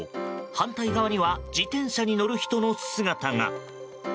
反対側には自転車に乗る人の姿が。